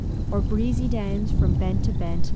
O'er breezy downs, from bent to bent.